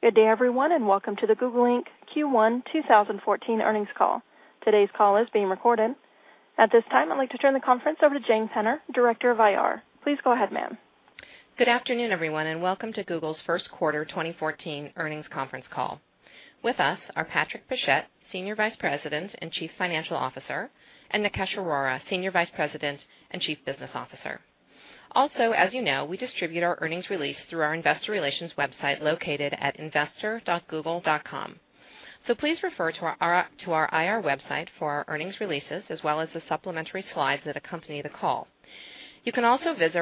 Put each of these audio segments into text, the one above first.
Good day, everyone, and welcome to the Google Inc. Q1 2014 earnings call. Today's call is being recorded. At this time, I'd like to turn the conference over to Jane Penner, Director of IR. Please go ahead, ma'am. Good afternoon, everyone, and welcome to Google's first quarter 2014 earnings conference call. With us are Patrick Pichette, Senior Vice President and Chief Financial Officer, and Nikesh Arora, Senior Vice President and Chief Business Officer. Also, as you know, we distribute our earnings release through our investor relations website located at investor.google.com. So please refer to our IR website for our earnings releases, as well as the supplementary slides that accompany the call. You can also visit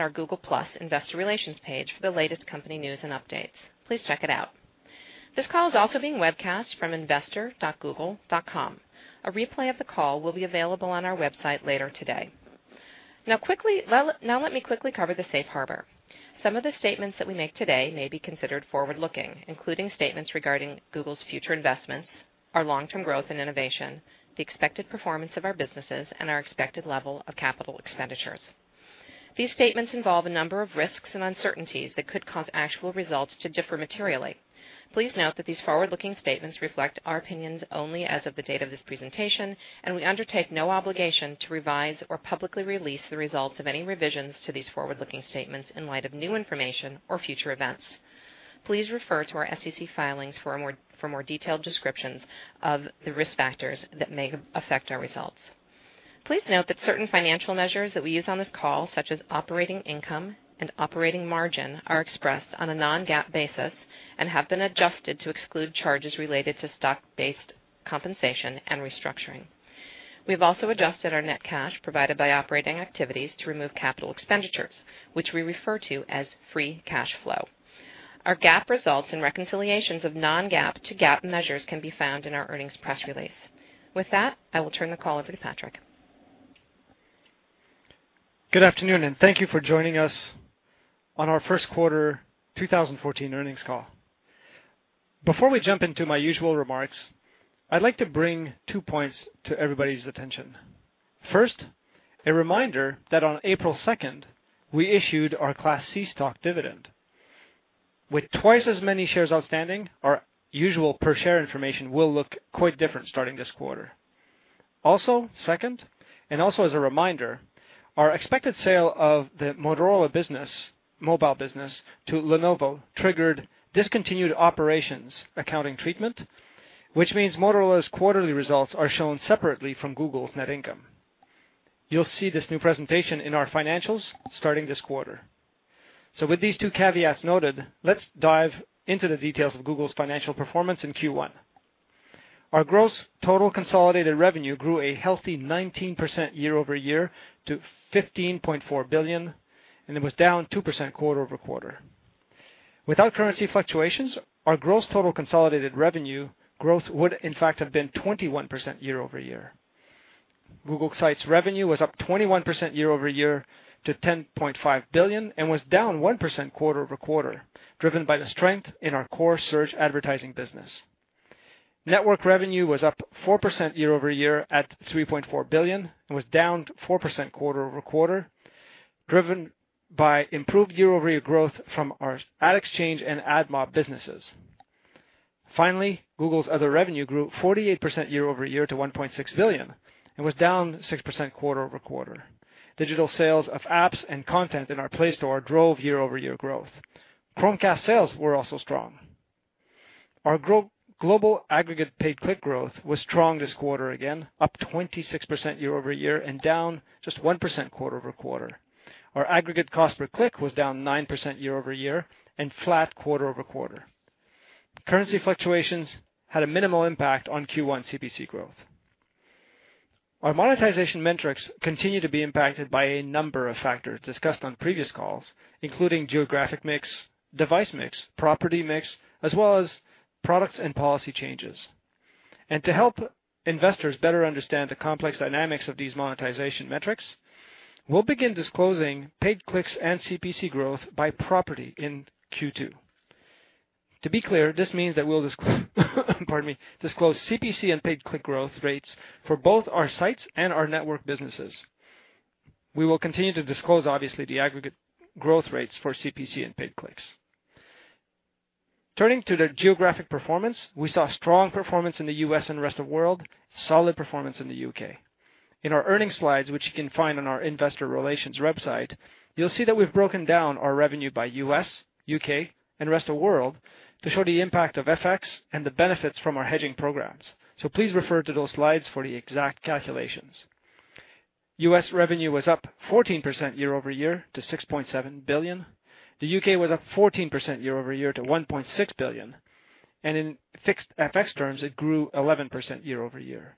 our Google+ investor relations page for the latest company news and updates. Please check it out. This call is also being webcast from investor.google.com. A replay of the call will be available on our website later today. Now, let me quickly cover the Safe Harbor. Some of the statements that we make today may be considered forward-looking, including statements regarding Google's future investments, our long-term growth and innovation, the expected performance of our businesses, and our expected level of capital expenditures. These statements involve a number of risks and uncertainties that could cause actual results to differ materially. Please note that these forward-looking statements reflect our opinions only as of the date of this presentation, and we undertake no obligation to revise or publicly release the results of any revisions to these forward-looking statements in light of new information or future events. Please refer to our SEC filings for more detailed descriptions of the risk factors that may affect our results. Please note that certain financial measures that we use on this call, such as operating income and operating margin, are expressed on a non-GAAP basis and have been adjusted to exclude charges related to stock-based compensation and restructuring. We have also adjusted our net cash provided by operating activities to remove capital expenditures, which we refer to as free cash flow. Our GAAP results and reconciliations of non-GAAP to GAAP measures can be found in our earnings press release. With that, I will turn the call over to Patrick. Good afternoon, and thank you for joining us on our first quarter 2014 earnings call. Before we jump into my usual remarks, I'd like to bring two points to everybody's attention. First, a reminder that on April 2nd, we issued our Class C Stock dividend. With twice as many shares outstanding, our usual per-share information will look quite different starting this quarter. Also, second, and also as a reminder, our expected sale of the Motorola business, mobile business, to Lenovo triggered discontinued operations accounting treatment, which means Motorola's quarterly results are shown separately from Google's net income. You'll see this new presentation in our financials starting this quarter. So, with these two caveats noted, let's dive into the details of Google's financial performance in Q1. Our gross total consolidated revenue grew a healthy 19% year-over-year to $15.4 billion, and it was down 2% quarter-over-quarter. Without currency fluctuations, our gross total consolidated revenue growth would, in fact, have been 21% year-over-year. Google Sites revenue was up 21% year-over-year to $10.5 billion and was down 1% quarter-over-quarter, driven by the strength in our core Search Advertising business. Network revenue was up 4% year-over-year at $3.4 billion and was down 4% quarter-over-quarter, driven by improved year-over-year growth from our Ad Exchange and AdMob businesses. Finally, Google's other revenue grew 48% year-over-year to $1.6 billion and was down 6% quarter-over-quarter. Digital sales of apps and content in our Play Store drove year-over-year growth. Chromecast sales were also strong. Our global aggregate paid click growth was strong this quarter again, up 26% year-over-year and down just 1% quarter-over-quarter. Our aggregate cost-per-click was down 9% year-over-year and flat quarter-over-quarter. Currency fluctuations had a minimal impact on Q1 CPC growth. Our monetization metrics continue to be impacted by a number of factors discussed on previous calls, including geographic mix, device mix, property mix, as well as products and policy changes. And to help investors better understand the complex dynamics of these monetization metrics, we'll begin disclosing paid clicks and CPC growth by property in Q2. To be clear, this means that we'll disclose CPC and paid click growth rates for both our sites and our network businesses. We will continue to disclose, obviously, the aggregate growth rates for CPC and paid clicks. Turning to the geographic performance, we saw strong performance in the U.S. and rest of the world, solid performance in the U.K. In our earnings slides, which you can find on our investor relations website, you'll see that we've broken down our revenue by U.S., U.K., and rest of the world to show the impact of FX and the benefits from our hedging programs. So please refer to those slides for the exact calculations. U.S. revenue was up 14% year-over-year to $6.7 billion. The U.K. was up 14% year-over-year to $1.6 billion. And in fixed FX terms, it grew 11% year-over-year.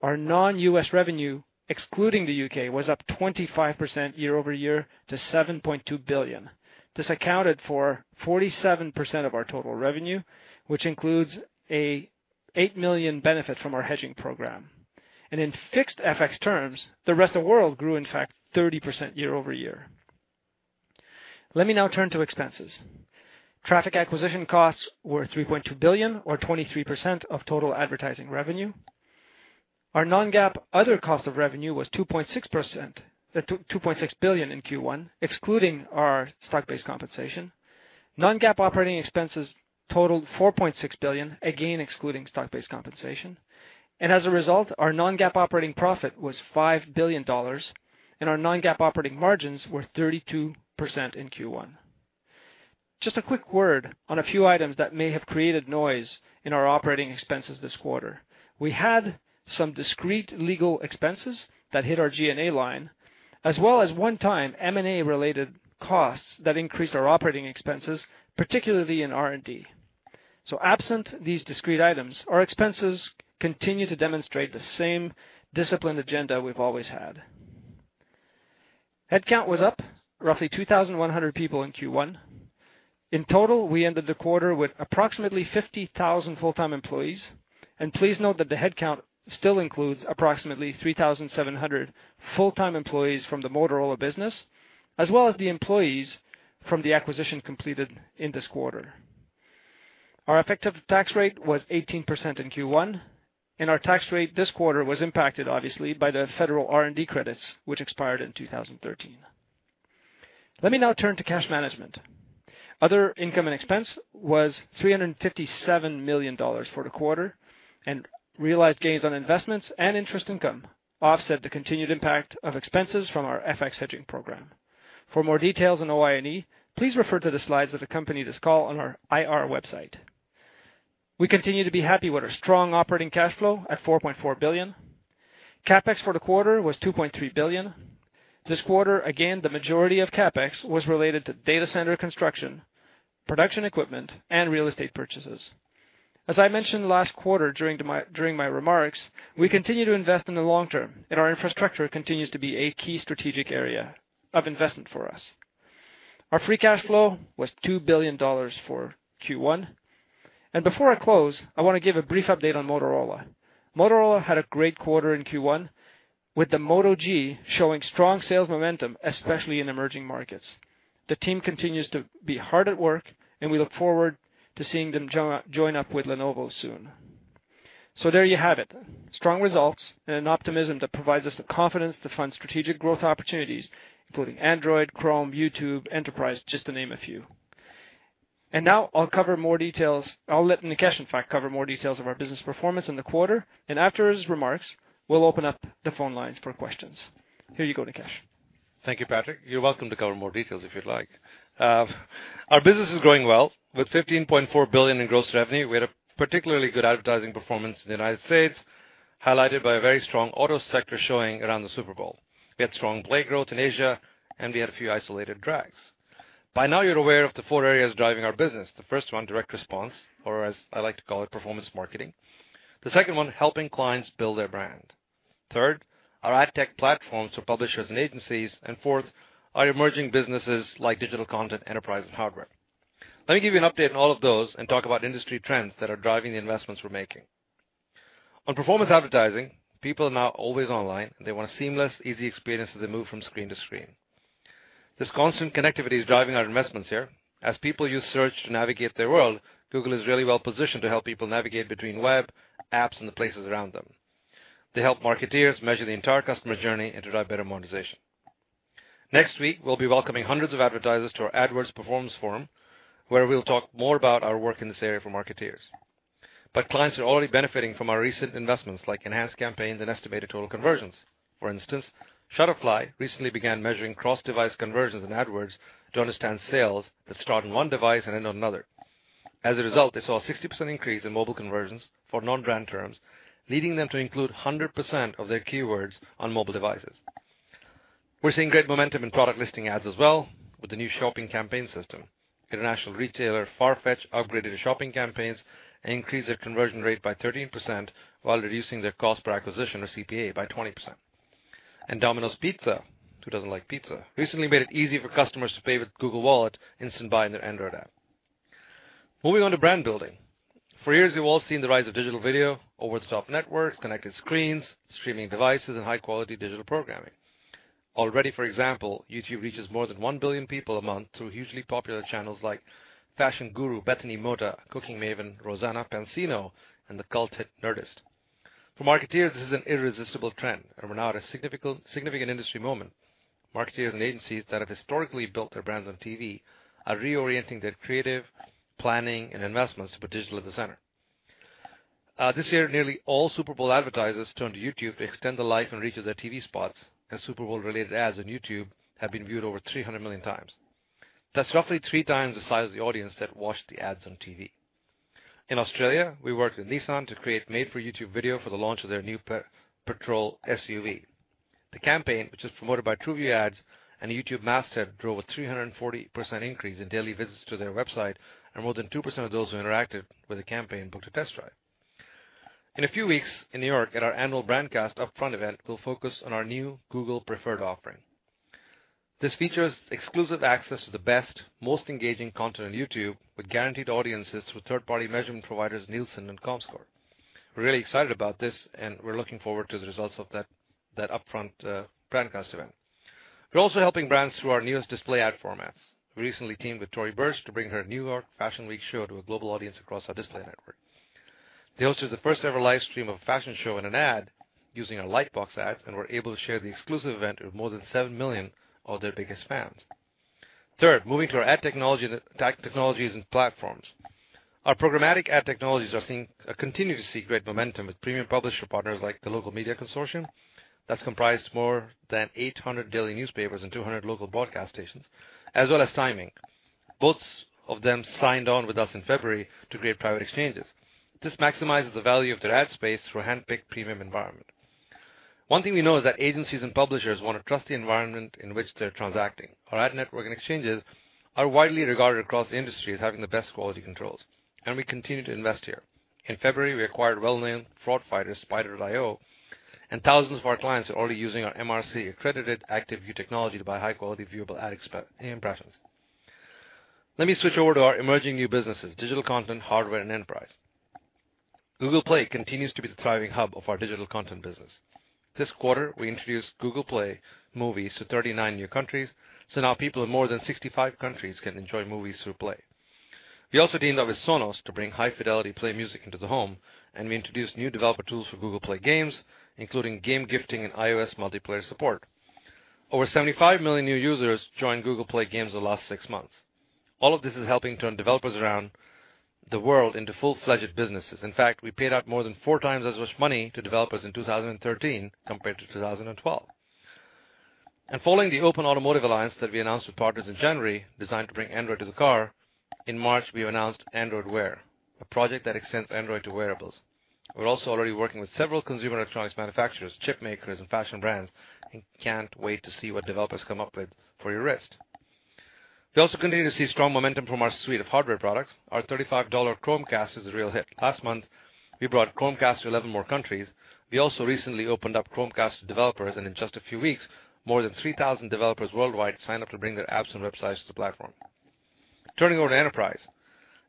Our non-U.S. revenue, excluding the U.K., was up 25% year-over-year to $7.2 billion. This accounted for 47% of our total revenue, which includes an $8 million benefit from our hedging program. And in fixed FX terms, the rest of the world grew, in fact, 30% year-over-year. Let me now turn to expenses. Traffic acquisition costs were $3.2 billion, or 23% of total advertising revenue. Our non-GAAP other cost of revenue was $2.6 billion in Q1, excluding our stock-based compensation. Non-GAAP operating expenses totaled $4.6 billion, again excluding stock-based compensation. And as a result, our non-GAAP operating profit was $5 billion, and our non-GAAP operating margins were 32% in Q1. Just a quick word on a few items that may have created noise in our operating expenses this quarter. We had some discrete legal expenses that hit our G&A line, as well as one-time M&A-related costs that increased our operating expenses, particularly in R&D. So absent these discrete items, our expenses continue to demonstrate the same disciplined agenda we've always had. Headcount was up roughly 2,100 people in Q1. In total, we ended the quarter with approximately 50,000 full-time employees. Please note that the headcount still includes approximately 3,700 full-time employees from the Motorola business, as well as the employees from the acquisition completed in this quarter. Our effective tax rate was 18% in Q1, and our tax rate this quarter was impacted, obviously, by the federal R&D credits, which expired in 2013. Let me now turn to cash management. Other income and expense was $357 million for the quarter, and realized gains on investments and interest income offset the continued impact of expenses from our FX hedging program. For more details and OI&E, please refer to the slides that accompany this call on our IR website. We continue to be happy with our strong operating cash flow of $4.4 billion. CapEx for the quarter was $2.3 billion. This quarter, again, the majority of CapEx was related to data center construction, production equipment, and real estate purchases. As I mentioned last quarter during my remarks, we continue to invest in the long term, and our infrastructure continues to be a key strategic area of investment for us. Our free cash flow was $2 billion for Q1. And before I close, I want to give a brief update on Motorola. Motorola had a great quarter in Q1, with the Moto G showing strong sales momentum, especially in emerging markets. The team continues to be hard at work, and we look forward to seeing them join up with Lenovo soon. So there you have it. Strong results and optimism that provides us the confidence to fund strategic growth opportunities, including Android, Chrome, YouTube, Enterprise, just to name a few. And now I'll cover more details. I'll let Nikesh, in fact, cover more details of our business performance in the quarter. And after his remarks, we'll open up the phone lines for questions. Here you go, Nikesh. Thank you, Patrick. You're welcome to cover more details if you'd like. Our business is growing well with $15.4 billion in gross revenue. We had a particularly good advertising performance in the United States, highlighted by a very strong auto sector showing around the Super Bowl. We had strong play growth in Asia, and we had a few isolated drags. By now, you're aware of the four areas driving our business. The first one, direct response, or as I like to call it, performance marketing. The second one, helping clients build their brand. Third, our ad tech platforms for publishers and agencies. And fourth, our emerging businesses like Digital Content, Enterprise, and Hardware. Let me give you an update on all of those and talk about industry trends that are driving the investments we're making. On performance advertising, people are now always online, and they want a seamless, easy experience as they move from screen to screen. This constant connectivity is driving our investments here. As people use search to navigate their world, Google is really well positioned to help people navigate between web, apps, and the places around them. They help marketers measure the entire customer journey and to drive better monetization. Next week, we'll be welcoming hundreds of advertisers to our AdWords Performance Forum, where we'll talk more about our work in this area for marketers. But clients are already benefiting from our recent investments, like Enhanced Campaigns and Estimated Total Conversions. For instance, Shutterfly recently began measuring cross-device conversions in AdWords to understand sales that start on one device and end on another. As a result, they saw a 60% increase in mobile conversions for non-brand terms, leading them to include 100% of their keywords on mobile devices. We're seeing great momentum in Product Listing Ads as well, with the new Shopping Campaigns system. International retailer Farfetch upgraded their shopping campaigns and increased their conversion rate by 13% while reducing their cost per acquisition, or CPA, by 20%. And Domino's Pizza, who doesn't like pizza? Recently made it easy for customers to pay with Google Wallet, Instant Buy, and their Android app. Moving on to brand building. For years, we've all seen the rise of digital video, over-the-top networks, connected screens, streaming devices, and high-quality digital programming. Already, for example, YouTube reaches more than 1 billion people a month through hugely popular channels like fashion guru Bethany Mota, cooking maven Rosanna Pansino, and the cult hit Nerdist. For marketers, this is an irresistible trend, and we're now at a significant industry moment. Marketers and agencies that have historically built their brands on TV are reorienting their creative planning and investments to put digital at the center. This year, nearly all Super Bowl advertisers turned to YouTube to extend the life and reach of their TV spots, and Super Bowl-related ads on YouTube have been viewed over 300 million times. That's roughly three times the size of the audience that watched the ads on TV. In Australia, we worked with Nissan to create a made-for-YouTube video for the launch of their new petrol SUV. The campaign, which is promoted by TrueView Ads and YouTube Masthead, drove a 340% increase in daily visits to their website, and more than 2% of those who interacted with the campaign booked a test drive. In a few weeks in New York, at our annual Brandcast Upfront event, we'll focus on our new Google Preferred offering. This features exclusive access to the best, most engaging content on YouTube, with guaranteed audiences through third-party measurement providers Nielsen and Comscore. We're really excited about this, and we're looking forward to the results of that Upfront Brandcast event. We're also helping brands through our newest display ad formats. We recently teamed with Tory Burch to bring her New York Fashion Week show to a global audience across our display network. They hosted the first-ever live stream of a fashion show in an ad using our Lightbox Ads, and were able to share the exclusive event with more than seven million of their biggest fans. Third, moving to our ad technologies and platforms. Our programmatic ad technologies continue to see great momentum with premium publisher partners like the Local Media Consortium, that's comprised of more than 800 daily newspapers and 200 local broadcast stations, as well as Time Inc., both of them signed on with us in February to create private exchanges. This maximizes the value of their ad space through a handpicked premium environment. One thing we know is that agencies and publishers want a trusty environment in which they're transacting. Our ad network and exchanges are widely regarded across industries as having the best quality controls, and we continue to invest here. In February, we acquired well-known fraud fighter spider.io, and thousands of our clients are already using our MRC-accredited Active View technology to buy high-quality viewable ad impressions. Let me switch over to our emerging new businesses: Digital Content, Hardware, and Enterprise. Google Play continues to be the thriving hub of our Digital Content business. This quarter, we introduced Google Play Movies to 39 new countries, so now people in more than 65 countries can enjoy movies through Play. We also teamed up with Sonos to bring high-fidelity Play Music into the home, and we introduced new developer tools for Google Play Games, including game gifting and iOS multiplayer support. Over 75 million new users joined Google Play Games in the last six months. All of this is helping turn developers around the world into full-fledged businesses. In fact, we paid out more than four times as much money to developers in 2013 compared to 2012, and following the Open Automotive Alliance that we announced with partners in January, designed to bring Android to the car, in March, we announced Android Wear, a project that extends Android to wearables. We're also already working with several consumer electronics manufacturers, chip makers, and fashion brands, and can't wait to see what developers come up with for your wrist. We also continue to see strong momentum from our suite of hardware products. Our $35 Chromecast is a real hit. Last month, we brought Chromecast to 11 more countries. We also recently opened up Chromecast to developers, and in just a few weeks, more than 3,000 developers worldwide signed up to bring their apps and websites to the platform. Turning over to enterprise,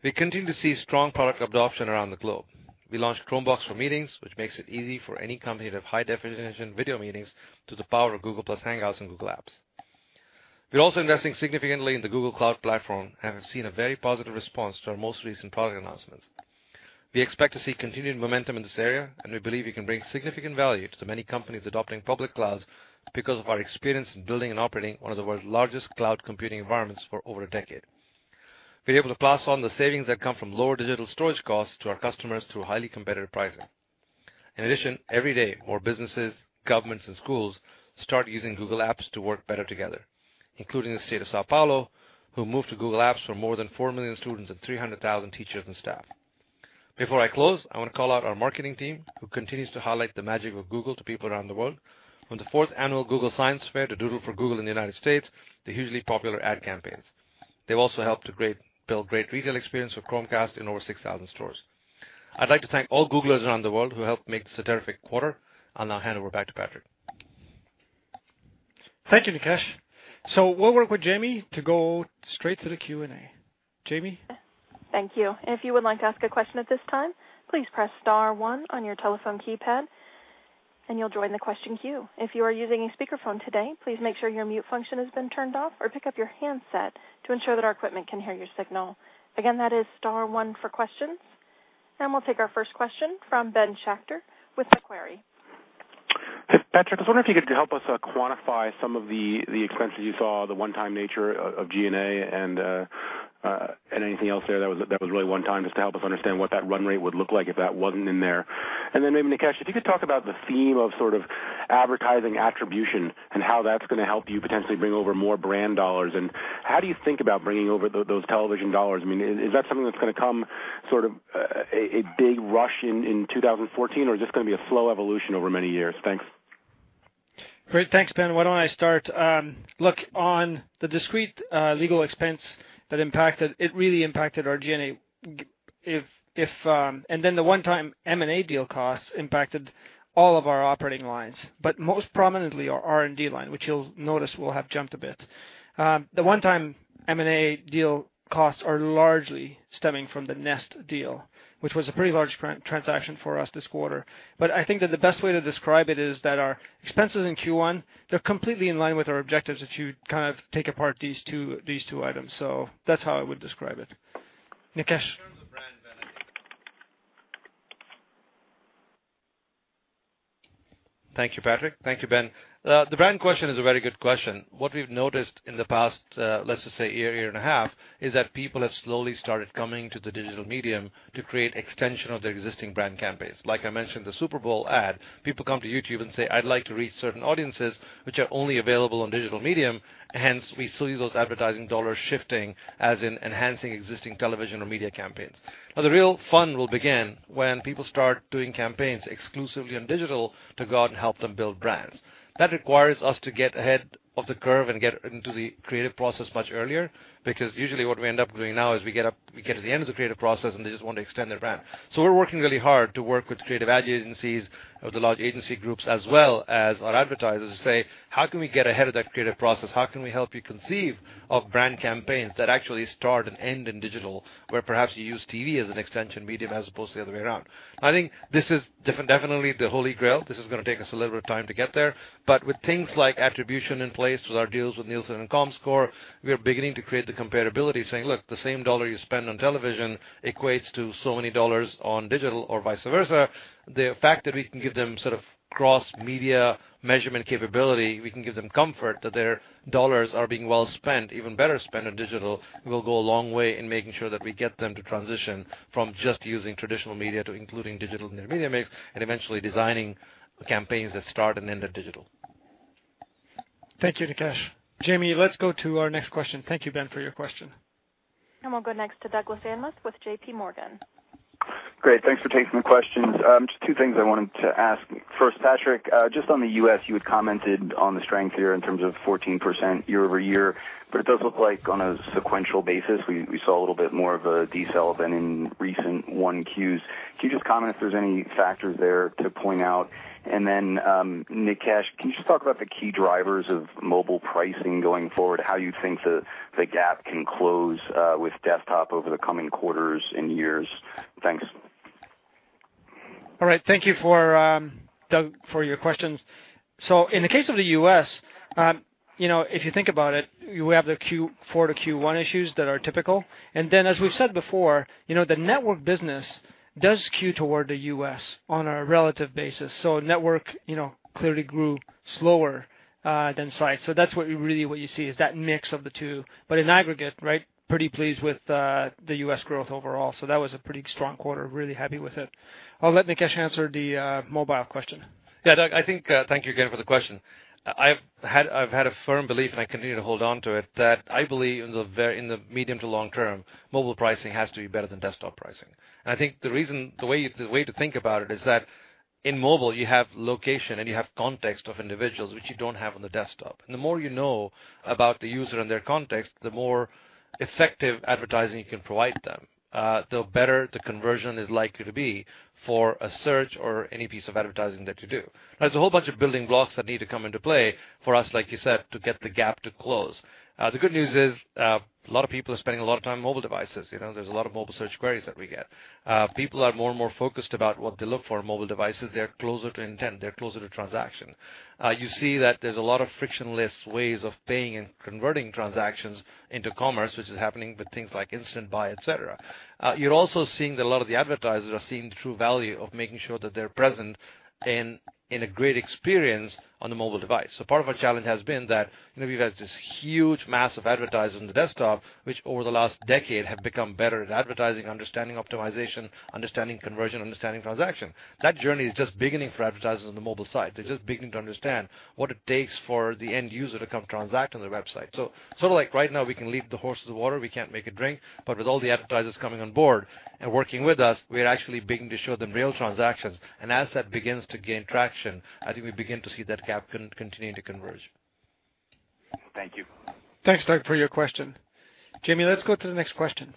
we continue to see strong product adoption around the globe. We launched Chromebox for meetings, which makes it easy for any company to have high-definition video meetings through the power of Google+ Hangouts and Google Apps. We're also investing significantly in the Google Cloud Platform and have seen a very positive response to our most recent product announcements. We expect to see continued momentum in this area, and we believe we can bring significant value to the many companies adopting public clouds because of our experience in building and operating one of the world's largest cloud computing environments for over a decade. We're able to pass on the savings that come from lower digital storage costs to our customers through highly competitive pricing. In addition, every day, more businesses, governments, and schools start using Google Apps to work better together, including the State of São Paulo, who moved to Google Apps for more than 4 million students and 300,000 teachers and staff. Before I close, I want to call out our marketing team, who continues to highlight the magic of Google to people around the world, from the fourth annual Google Science Fair to Doodle for Google in the United States, to hugely popular ad campaigns. They've also helped to build a great retail experience for Chromecast in over 6,000 stores. I'd like to thank all Googlers around the world who helped make this a terrific quarter. I'll now hand over back to Patrick. Thank you, Nikesh. So we'll work with Jamie to go straight to the Q&A. Jamie? Thank you. If you would like to ask a question at this time, please press star one on your telephone keypad, and you'll join the question queue. If you are using a speakerphone today, please make sure your mute function has been turned off, or pick up your handset to ensure that our equipment can hear your signal. Again, that is star one for questions. And we'll take our first question from Ben Schachter with Macquarie. Hey, Patrick, I was wondering if you could help us quantify some of the expenses you saw, the one-time nature of G&A and anything else there that was really one-time, just to help us understand what that run rate would look like if that wasn't in there. And then maybe, Nikesh, if you could talk about the theme of sort of advertising attribution and how that's going to help you potentially bring over more brand dollars. And how do you think about bringing over those television dollars? I mean, is that something that's going to come sort of a big rush in 2014, or is this going to be a slow evolution over many years? Thanks. Great. Thanks, Ben. Why don't I start? Look, on the discrete legal expense that impacted, it really impacted our G&A. And then the one-time M&A deal costs impacted all of our operating lines, but most prominently our R&D line, which you'll notice will have jumped a bit. The one-time M&A deal costs are largely stemming from the Nest deal, which was a pretty large transaction for us this quarter. But I think that the best way to describe it is that our expenses in Q1, they're completely in line with our objectives if you kind of take apart these two items. So that's how I would describe it. Nikesh. Thank you, Patrick. Thank you, Ben. The brand question is a very good question. What we've noticed in the past, let's just say a year and a half, is that people have slowly started coming to the digital medium to create extension of their existing brand campaigns. Like I mentioned, the Super Bowl ad, people come to YouTube and say, "I'd like to reach certain audiences, which are only available on digital medium." Hence, we see those advertising dollars shifting, as in enhancing existing television or media campaigns. Now, the real fun will begin when people start doing campaigns exclusively on digital to go out and help them build brands. That requires us to get ahead of the curve and get into the creative process much earlier because usually what we end up doing now is we get to the end of the creative process, and they just want to extend their brand. So we're working really hard to work with creative ad agencies of the large agency groups, as well as our advertisers, to say, "How can we get ahead of that creative process? How can we help you conceive of brand campaigns that actually start and end in digital, where perhaps you use TV as an extension medium as opposed to the other way around?" I think this is definitely the holy grail. This is going to take us a little bit of time to get there. But with things like attribution in place with our deals with Nielsen and Comscore, we are beginning to create the compatibility, saying, "Look, the same dollar you spend on television equates to so many dollars on digital," or vice versa. The fact that we can give them sort of cross-media measurement capability, we can give them comfort that their dollars are being well spent, even better spent on digital, will go a long way in making sure that we get them to transition from just using traditional media to including digital in their media mix and eventually designing campaigns that start and end in digital. Thank you, Nikesh. Jamie, let's go to our next question. Thank you, Ben, for your question. And we'll go next to Douglas Anmuth with JPMorgan. Great. Thanks for taking the questions. Just two things I wanted to ask. First, Patrick, just on the U.S., you had commented on the strength here in terms of 14% year-over-year, but it does look like on a sequential basis, we saw a little bit more of a decel than in recent Q1s. Can you just comment if there's any factors there to point out? And then, Nikesh, can you just talk about the key drivers of mobile pricing going forward, how you think the gap can close with desktop over the coming quarters and years? Thanks. All right. Thank you for your questions. So in the case of the U.S., if you think about it, we have the Q4 to Q1 issues that are typical. And then, as we've said before, the network business does skew toward the U.S. on a relative basis. So network clearly grew slower than sites. So that's really what you see is that mix of the two. But in aggregate, pretty pleased with the U.S. growth overall. So that was a pretty strong quarter, really happy with it. I'll let Nikesh answer the mobile question. Yeah, Doug, I think thank you again for the question. I've had a firm belief, and I continue to hold on to it, that I believe in the medium to long term, mobile pricing has to be better than desktop pricing. And I think the way to think about it is that in mobile, you have location and you have context of individuals, which you don't have on the desktop. And the more you know about the user and their context, the more effective advertising you can provide them, the better the conversion is likely to be for a search or any piece of advertising that you do. There's a whole bunch of building blocks that need to come into play for us, like you said, to get the gap to close. The good news is a lot of people are spending a lot of time on mobile devices. There's a lot of mobile search queries that we get. People are more and more focused about what they look for on mobile devices. They're closer to intent. They're closer to transaction. You see that there's a lot of frictionless ways of paying and converting transactions into commerce, which is happening with things like Instant Buy, etc. You're also seeing that a lot of the advertisers are seeing the true value of making sure that they're present and in a great experience on the mobile device. So part of our challenge has been that we've had this huge mass of advertisers on the desktop, which over the last decade have become better at advertising, understanding optimization, understanding conversion, understanding transaction. That journey is just beginning for advertisers on the mobile side. They're just beginning to understand what it takes for the end user to come transact on their website. So sort of like right now, we can lead the horse to the water. We can't make it drink. But with all the advertisers coming on board and working with us, we're actually beginning to show them real transactions. And as that begins to gain traction, I think we begin to see that gap continue to converge. Thank you. Thanks, Doug, for your question. Jamie, let's go to the next question.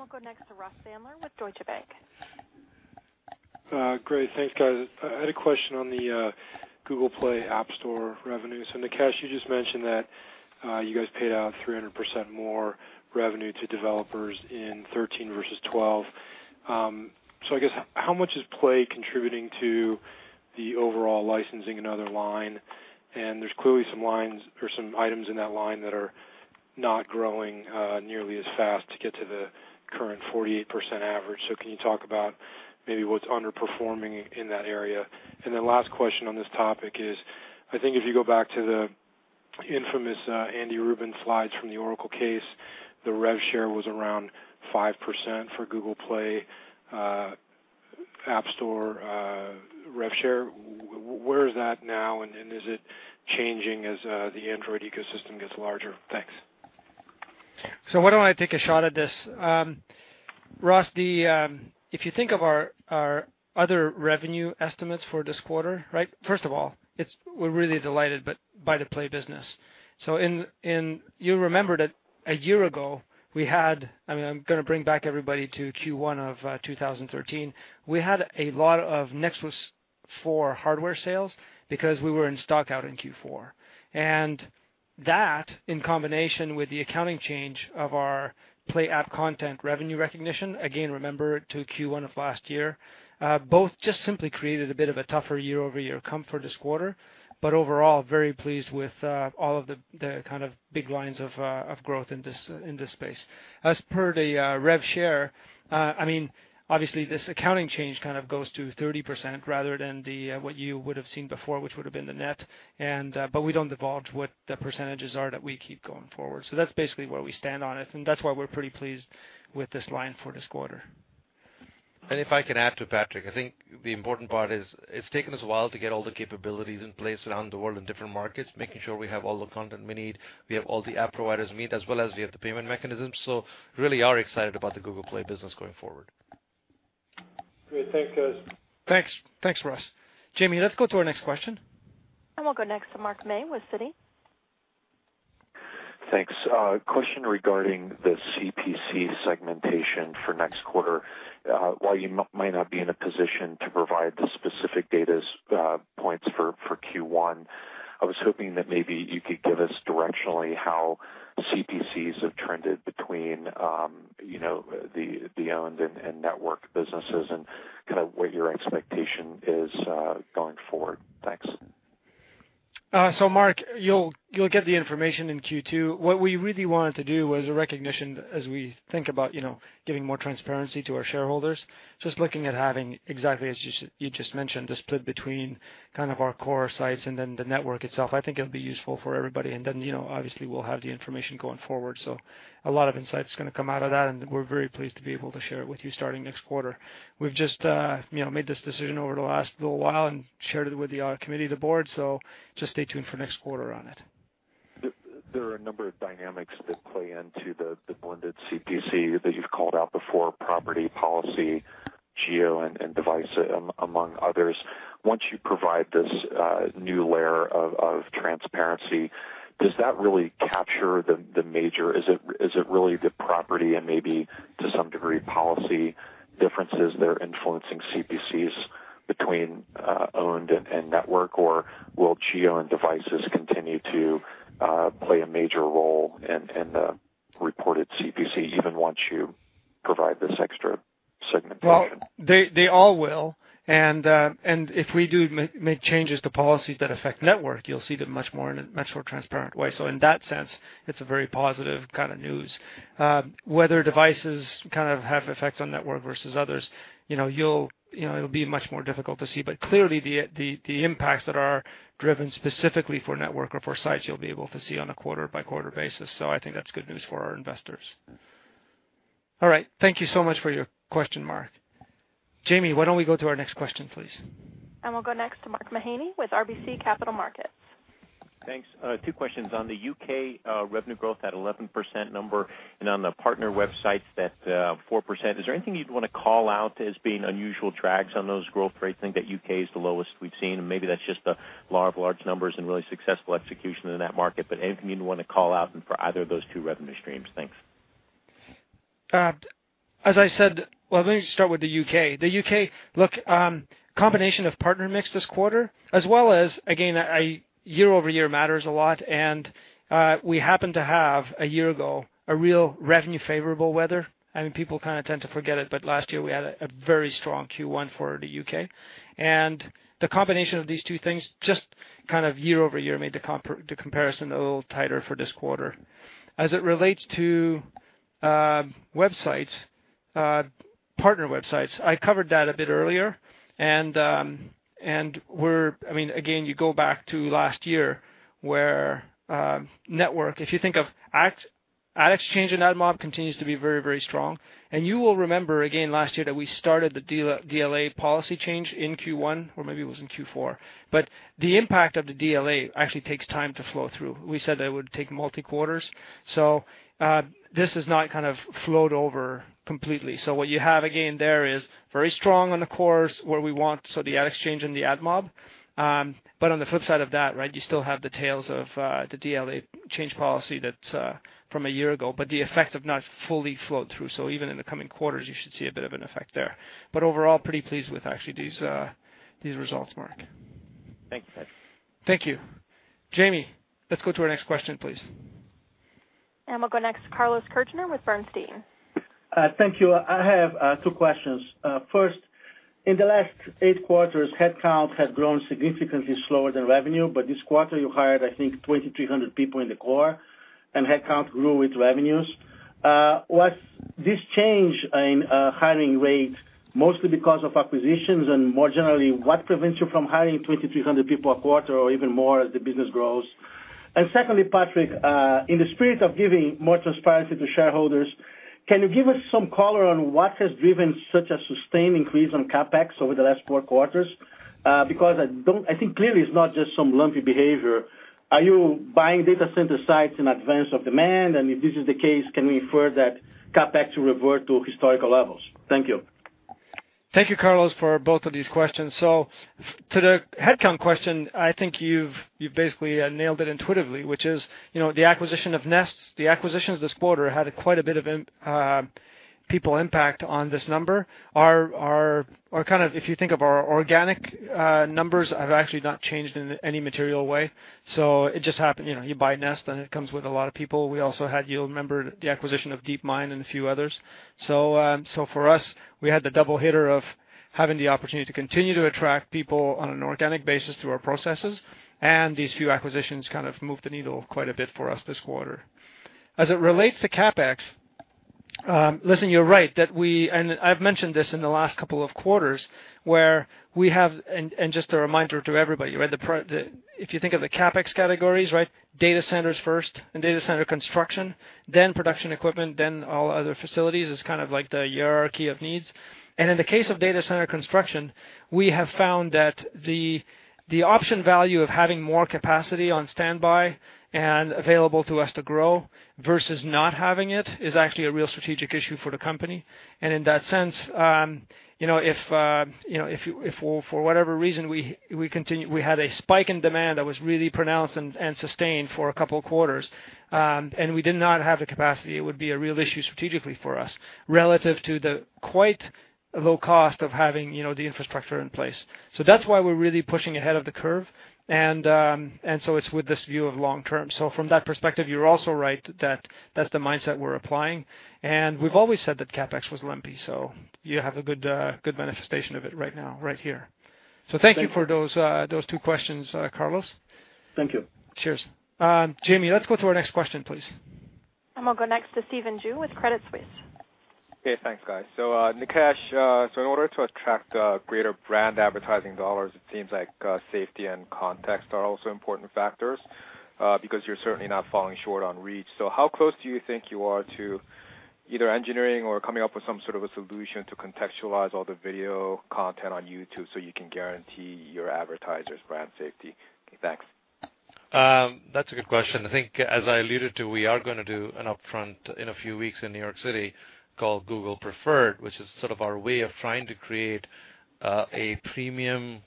I'll go next to Ross Sandler with Deutsche Bank. Great. Thanks, guys. I had a question on the Google Play App Store revenue. So Nikesh, you just mentioned that you guys paid out 300% more revenue to developers in 2013 versus 2012. So I guess, how much is Play contributing to the overall licensing and other line? And there's clearly some lines or some items in that line that are not growing nearly as fast to get to the current 48% average. So can you talk about maybe what's underperforming in that area? And then last question on this topic is, I think if you go back to the infamous Andy Rubin slides from the Oracle case, the rev share was around 5% for Google Play App Store rev share. Where is that now, and is it changing as the Android ecosystem gets larger? Thanks. So why don't I take a shot at this? Ross, if you think of our other revenue estimates for this quarter, right, first of all, we're really delighted by the Play business. So you'll remember that a year ago, we had—I mean, I'm going to bring everybody back to Q1 of 2013—we had a lot of Nexus 4 hardware sales because we were sold out in Q4. And that, in combination with the accounting change of our Play app content revenue recognition, again, remember back to Q1 of last year, both just simply created a bit of a tougher year-over-year comp this quarter. But overall, very pleased with all of the kind of big lines of growth in this space. As per the rev share, I mean, obviously, this accounting change kind of goes to 30% rather than what you would have seen before, which would have been the net. But we don't divulge what the percentages are that we keep going forward. So that's basically where we stand on it. And that's why we're pretty pleased with this line for this quarter. And if I can add to Patrick, I think the important part is it's taken us a while to get all the capabilities in place around the world in different markets, making sure we have all the content we need, we have all the app providers we need, as well as we have the payment mechanisms. So really, we are excited about the Google Play business going forward. Great. Thanks, guys. Thanks. Thanks, Ross. Jamie, let's go to our next question. We'll go next to Mark May with Citi. Thanks. Question regarding the CPC segmentation for next quarter. While you might not be in a position to provide the specific data points for Q1, I was hoping that maybe you could give us directionally how CPCs have trended between the owned and network businesses and kind of what your expectation is going forward? Thanks. So Mark, you'll get the information in Q2. What we really wanted to do was a recognition as we think about giving more transparency to our shareholders. Just looking at having, exactly as you just mentioned, the split between kind of our core sites and then the network itself. I think it'll be useful for everybody. And then, obviously, we'll have the information going forward. So a lot of insights are going to come out of that, and we're very pleased to be able to share it with you starting next quarter. We've just made this decision over the last little while and shared it with the committee, the board. So just stay tuned for next quarter on it. There are a number of dynamics that play into the blended CPC that you've called out before: property, policy, geo, and device, among others. Once you provide this new layer of transparency, does that really capture the major, is it really the property and maybe, to some degree, policy differences that are influencing CPCs between owned and network? Or will geo and devices continue to play a major role in the reported CPC, even once you provide this extra segmentation? They all will. And if we do make changes to policies that affect network, you'll see them much more in a much more transparent way. In that sense, it's a very positive kind of news. Whether devices kind of have effects on network versus others, it'll be much more difficult to see. But clearly, the impacts that are driven specifically for network or for sites, you'll be able to see on a quarter-by-quarter basis. I think that's good news for our investors. All right. Thank you so much for your question, Mark. Jamie, why don't we go to our next question, please? We'll go next to Mark Mahaney with RBC Capital Markets. Thanks. Two questions on the U.K. revenue growth at 11% number and on the partner websites at 4%. Is there anything you'd want to call out as being unusual drags on those growth rates? I think that U.K. is the lowest we've seen. And maybe that's just a lot of large numbers and really successful execution in that market. But anything you'd want to call out for either of those two revenue streams? Thanks. As I said, well, let me start with the U.K. The U.K, look, combination of partner mix this quarter, as well as, again, year-over-year matters a lot. And we happened to have, a year ago, a real revenue-favorable weather. I mean, people kind of tend to forget it, but last year, we had a very strong Q1 for the U.K. And the combination of these two things just kind of year-over-year made the comparison a little tighter for this quarter. As it relates to websites, partner websites, I covered that a bit earlier. And I mean, again, you go back to last year where network, if you think of Ad Exchange and AdMob, continues to be very, very strong. And you will remember, again, last year that we started the DLA policy change in Q1, or maybe it was in Q4. But the impact of the DLA actually takes time to flow through. We said that it would take multi-quarters. So this has not kind of flowed over completely. So what you have, again, there is very strong on the core where we want the Ad Exchange and AdMob. But on the flip side of that, right, you still have the tails of the DLA change policy that's from a year ago, but the effects have not fully flowed through. So even in the coming quarters, you should see a bit of an effect there. But overall, pretty pleased with, actually, these results, Mark. Thanks, guys. Thank you. Jamie, let's go to our next question, please. We'll go next to Carlos Kirjner with Bernstein. Thank you. I have two questions. First, in the last eight quarters, headcount had grown significantly slower than revenue. But this quarter, you hired, I think, 2,300 people in the core, and headcount grew with revenues. Was this change in hiring rate mostly because of acquisitions and, more generally, what prevents you from hiring 2,300 people a quarter or even more as the business grows? And secondly, Patrick, in the spirit of giving more transparency to shareholders, can you give us some color on what has driven such a sustained increase on CapEx over the last four quarters? Because I think clearly it's not just some lumpy behavior. Are you buying data center sites in advance of demand? And if this is the case, can we infer that CapEx will revert to historical levels? Thank you. Thank you, Carlos, for both of these questions. So to the headcount question, I think you've basically nailed it intuitively, which is the acquisition of Nest. The acquisitions this quarter had quite a bit of people impact on this number. Or kind of, if you think of our organic numbers, have actually not changed in any material way. So it just happened. You buy Nest, and it comes with a lot of people. We also had, you'll remember, the acquisition of DeepMind and a few others. So for us, we had the double hitter of having the opportunity to continue to attract people on an organic basis through our processes. And these few acquisitions kind of moved the needle quite a bit for us this quarter. As it relates to CapEx, listen, you're right that we, and I've mentioned this in the last couple of quarters, where we have, and just a reminder to everybody, right? If you think of the CapEx categories, right, data centers first and data center construction, then production equipment, then all other facilities is kind of like the hierarchy of needs. And in the case of data center construction, we have found that the option value of having more capacity on standby and available to us to grow versus not having it is actually a real strategic issue for the company. And in that sense, if for whatever reason we had a spike in demand that was really pronounced and sustained for a couple of quarters and we did not have the capacity, it would be a real issue strategically for us relative to the quite low cost of having the infrastructure in place. So that's why we're really pushing ahead of the curve. And so it's with this view of long term. So from that perspective, you're also right that that's the mindset we're applying. And we've always said that CapEx was lumpy. So you have a good manifestation of it right now, right here. So thank you for those two questions, Carlos. Thank you. Cheers. Jamie, let's go to our next question, please. We'll go next to Stephen Ju with Credit Suisse. Okay. Thanks, guys. So Nikesh, so in order to attract greater brand advertising dollars, it seems like safety and context are also important factors because you're certainly not falling short on reach. So how close do you think you are to either engineering or coming up with some sort of a solution to contextualize all the video content on YouTube so you can guarantee your advertisers' brand safety? Thanks. That's a good question. I think, as I alluded to, we are going to do an upfront in a few weeks in New York City called Google Preferred, which is sort of our way of trying to create a premium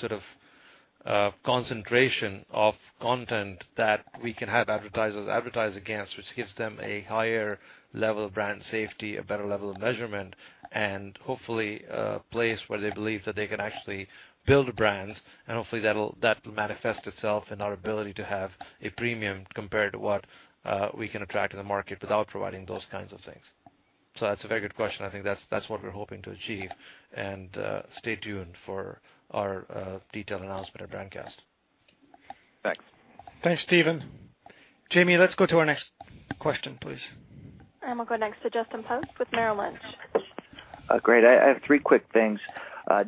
sort of concentration of content that we can have advertisers advertise against, which gives them a higher level of brand safety, a better level of measurement, and hopefully a place where they believe that they can actually build brands. And hopefully, that will manifest itself in our ability to have a premium compared to what we can attract in the market without providing those kinds of things. So that's a very good question. I think that's what we're hoping to achieve. And stay tuned for our detailed announcement at Brandcast. Thanks. Thanks, Stephen. Jamie, let's go to our next question, please. We'll go next to Justin Post with Merrill Lynch. Great. I have three quick things.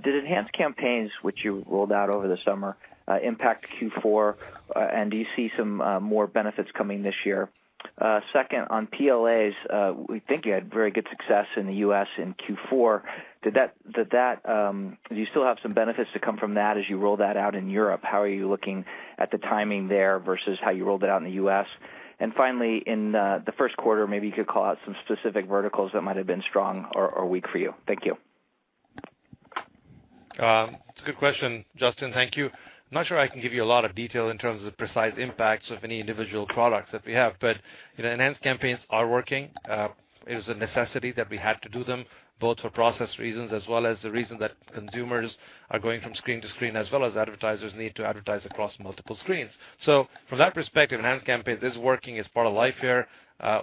Did Enhanced Campaigns, which you rolled out over the summer, impact Q4? And do you see some more benefits coming this year? Second, on PLAs, we think you had very good success in the U.S. in Q4. Do you still have some benefits to come from that as you roll that out in Europe? How are you looking at the timing there versus how you rolled it out in the U.S.? And finally, in the first quarter, maybe you could call out some specific verticals that might have been strong or weak for you. Thank you. It's a good question, Justin. Thank you. I'm not sure I can give you a lot of detail in terms of precise impacts of any individual products that we have. But Enhanced Campaigns are working. It is a necessity that we had to do them, both for process reasons as well as the reason that consumers are going from screen to screen, as well as advertisers need to advertise across multiple screens. So from that perspective, Enhanced Campaigns is working. It's part of life here.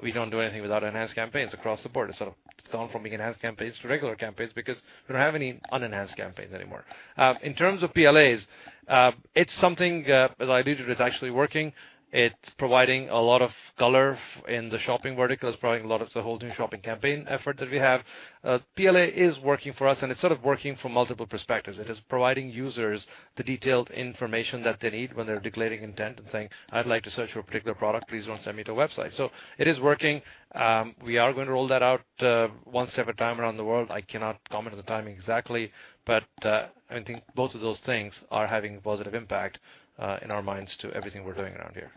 We don't do anything without Enhanced Campaigns across the board. It's gone from being Enhanced Campaigns to regular campaigns because we don't have any unEnhanced Campaigns anymore. In terms of PLAs, it's something, as I alluded to, it's actually working. It's providing a lot of color in the shopping vertical. It's providing a lot of the whole new shopping campaign effort that we have. PLA is working for us, and it's sort of working from multiple perspectives. It is providing users the detailed information that they need when they're declaring intent and saying, "I'd like to search for a particular product. Please don't send me to a website." So it is working. We are going to roll that out one step at a time around the world. I cannot comment on the timing exactly, but I think both of those things are having a positive impact in our minds to everything we're doing around here.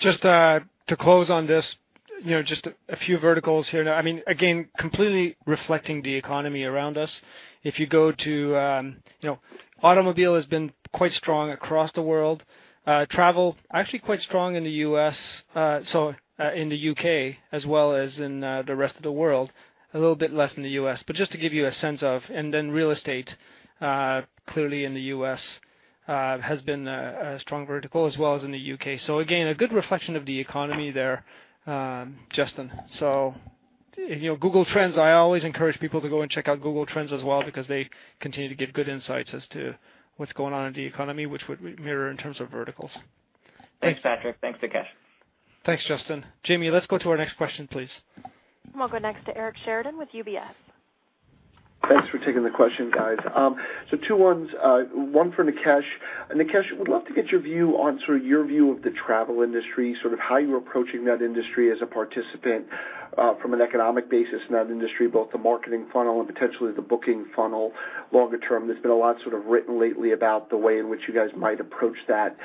Just to close on this, just a few verticals here. I mean, again, completely reflecting the economy around us. If you go to automobile has been quite strong across the world. Travel, actually quite strong in the U.S., so in the U.K. as well as in the rest of the world, a little bit less in the U.S. But just to give you a sense of, and then real estate, clearly in the U.S. has been a strong vertical as well as in the U.K. So again, a good reflection of the economy there, Justin. So Google Trends, I always encourage people to go and check out Google Trends as well because they continue to give good insights as to what's going on in the economy, which would mirror in terms of verticals. Thanks, Patrick. Thanks, Nikesh. Thanks, Justin. Jamie, let's go to our next question, please. We'll go next to Eric Sheridan with UBS. Thanks for taking the question, guys. So two ones. One for Nikesh. Nikesh, we'd love to get your view on sort of your view of the travel industry, sort of how you're approaching that industry as a participant from an economic basis in that industry, both the marketing funnel and potentially the booking funnel longer term. There's been a lot sort of written lately about the way in which you guys might approach that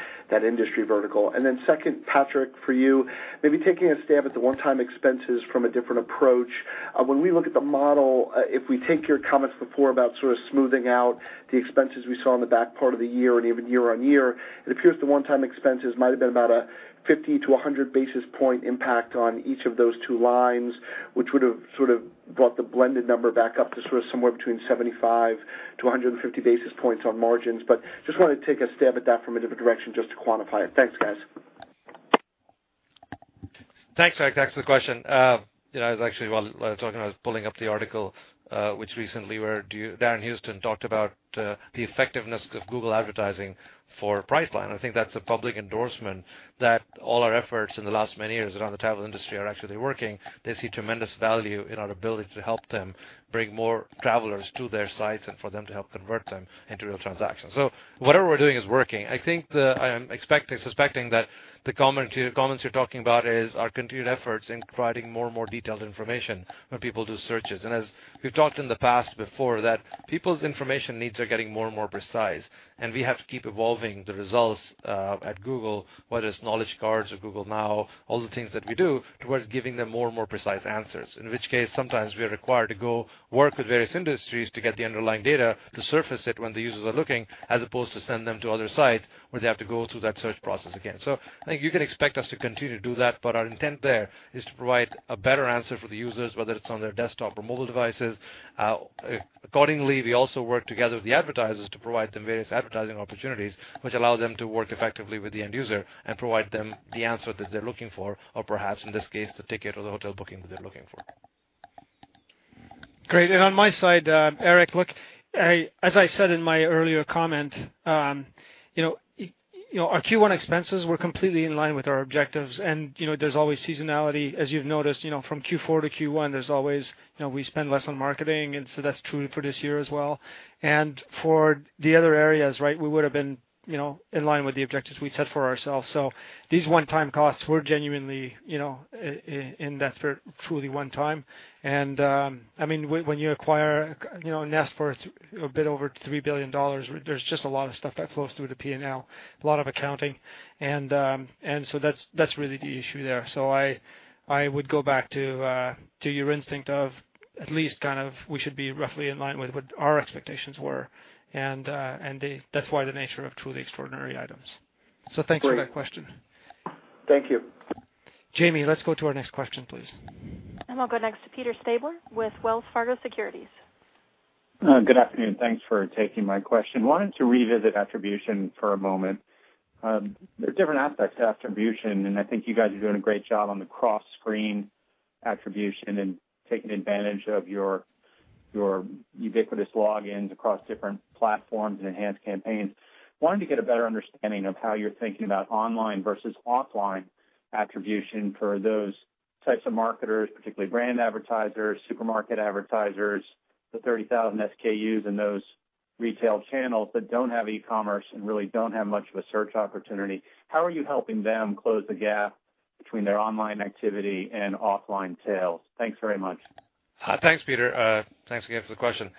industry vertical. And then second, Patrick, for you, maybe taking a stab at the one-time expenses from a different approach. When we look at the model, if we take your comments before about sort of smoothing out the expenses we saw in the back part of the year and even year-on-year, it appears the one-time expenses might have been about a 50 to 100 basis point impact on each of those two lines, which would have sort of brought the blended number back up to sort of somewhere between 75 to 150 basis points on margins. But just wanted to take a stab at that from a different direction just to quantify it. Thanks, guys. Thanks, Eric. Thanks for the question. I was actually while talking, I was pulling up the article which recently Darren Huston talked about the effectiveness of Google advertising for Priceline. I think that's a public endorsement that all our efforts in the last many years around the travel industry are actually working. They see tremendous value in our ability to help them bring more travelers to their sites and for them to help convert them into real transactions. So whatever we're doing is working. I think I'm suspecting that the comments you're talking about are continued efforts in providing more and more detailed information when people do searches, and as we've talked in the past before, that people's information needs are getting more and more precise. And we have to keep evolving the results at Google, whether it's Knowledge Cards or Google Now, all the things that we do towards giving them more and more precise answers. In which case, sometimes we are required to go work with various industries to get the underlying data to surface it when the users are looking, as opposed to send them to other sites where they have to go through that search process again. So I think you can expect us to continue to do that, but our intent there is to provide a better answer for the users, whether it's on their desktop or mobile devices. Accordingly, we also work together with the advertisers to provide them various advertising opportunities, which allow them to work effectively with the end user and provide them the answer that they're looking for, or perhaps in this case, the ticket or the hotel booking that they're looking for. Great. And on my side, Eric, look, as I said in my earlier comment, our Q1 expenses were completely in line with our objectives. And there's always seasonality. As you've noticed, from Q4 to Q1, there's always we spend less on marketing. And so that's true for this year as well. And for the other areas, right, we would have been in line with the objectives we set for ourselves. So these one-time costs were genuinely in that truly one time. And I mean, when you acquire Nest for a bit over $3 billion, there's just a lot of stuff that flows through the P&L, a lot of accounting. And so that's really the issue there. So I would go back to your instinct of at least kind of we should be roughly in line with what our expectations were. And that's why the nature of truly extraordinary items. So thanks for that question. Thank you. Jamie, let's go to our next question, please. We'll go next to Peter Stabler with Wells Fargo Securities. Good afternoon. Thanks for taking my question. Wanted to revisit attribution for a moment. There are different aspects to attribution, and I think you guys are doing a great job on the cross-screen attribution and taking advantage of your ubiquitous logins across different platforms and Enhanced Campaigns. Wanted to get a better understanding of how you're thinking about online versus offline attribution for those types of marketers, particularly brand advertisers, supermarket advertisers, the 30,000 SKUs and those retail channels that don't have e-commerce and really don't have much of a search opportunity. How are you helping them close the gap between their online activity and offline sales? Thanks very much. Thanks, Peter. Thanks again for the question.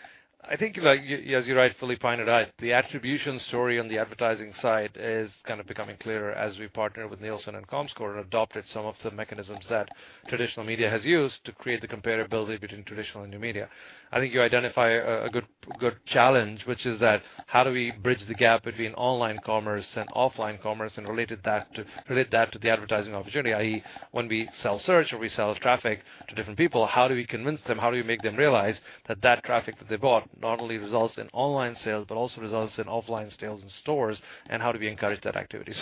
I think, as you're right, fully pointed out, the attribution story on the advertising side is kind of becoming clearer as we partner with Nielsen and Comscore and adopted some of the mechanisms that traditional media has used to create the comparability between traditional and new media. I think you identify a good challenge, which is that how do we bridge the gap between online commerce and offline commerce and relate that to the advertising opportunity, i.e., when we sell search or we sell traffic to different people, how do we convince them? How do we make them realize that that traffic that they bought not only results in online sales, but also results in offline sales in stores? And how do we encourage that activity?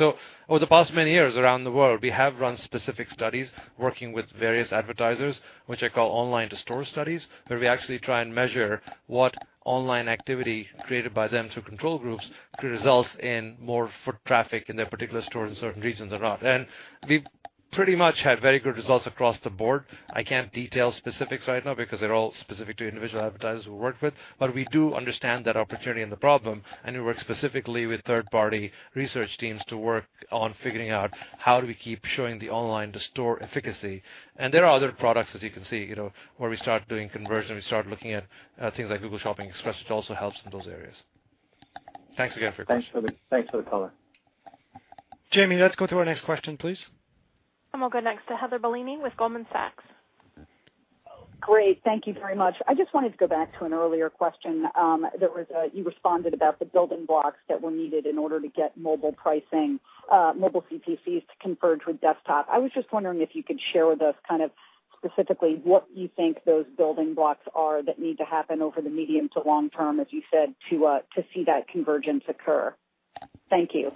Over the past many years around the world, we have run specific studies working with various advertisers, which I call online-to-store studies, where we actually try and measure what online activity created by them through control groups results in more foot traffic in their particular store in certain regions or not. And we've pretty much had very good results across the board. I can't detail specifics right now because they're all specific to individual advertisers we work with. But we do understand that opportunity and the problem. And we work specifically with third-party research teams to work on figuring out how do we keep showing the online-to-store efficacy. And there are other products, as you can see, where we start doing conversion. We start looking at things like Google Shopping Express, which also helps in those areas. Thanks again for your question. Thanks for the color. Jamie, let's go to our next question, please. We'll go next to Heather Bellini with Goldman Sachs. Great. Thank you very much. I just wanted to go back to an earlier question. You responded about the building blocks that were needed in order to get mobile pricing, mobile CPCs to converge with desktop. I was just wondering if you could share with us kind of specifically what you think those building blocks are that need to happen over the medium to long term, as you said, to see that convergence occur. Thank you.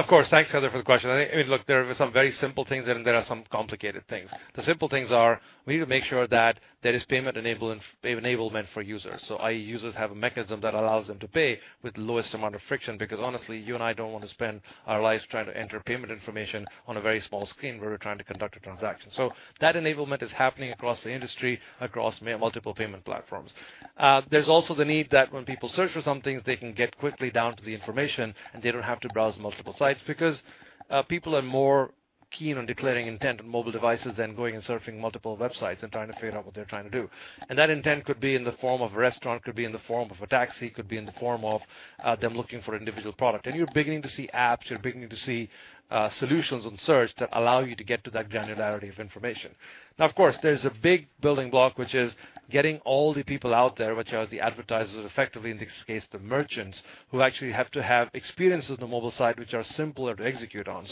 Of course. Thanks, Heather, for the question. I mean, look, there are some very simple things, and there are some complicated things. The simple things are we need to make sure that there is payment enablement for users, so i.e., users have a mechanism that allows them to pay with the lowest amount of friction because, honestly, you and I don't want to spend our lives trying to enter payment information on a very small screen where we're trying to conduct a transaction, so that enablement is happening across the industry, across multiple payment platforms. There's also the need that when people search for some things, they can get quickly down to the information, and they don't have to browse multiple sites because people are more keen on declaring intent on mobile devices than going and surfing multiple websites and trying to figure out what they're trying to do. That intent could be in the form of a restaurant, could be in the form of a taxi, could be in the form of them looking for an individual product. You're beginning to see apps. You're beginning to see solutions on search that allow you to get to that granularity of information. Now, of course, there's a big building block, which is getting all the people out there, which are the advertisers effectively, in this case, the merchants, who actually have to have experiences on the mobile site, which are simpler to execute on.